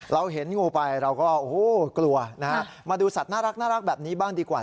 เราเห็นงูไปเราก็โอ้โหกลัวนะฮะมาดูสัตว์น่ารักแบบนี้บ้างดีกว่า